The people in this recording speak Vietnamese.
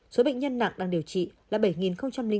số bệnh nhân nặng đang điều trị